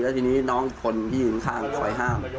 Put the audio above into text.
แล้วทีนี้น้องคนที่อยู่ข้างคอยห้าม